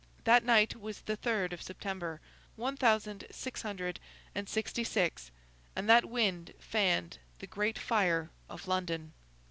That night was the third of September, one thousand six hundred and sixty six, and that wind fanned the Great Fire of London.